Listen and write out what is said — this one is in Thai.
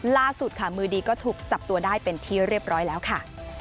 ล่าสุดค่ะมือดีก็ถูกจับตัวได้เป็นที่เรียบร้อยแล้วค่ะ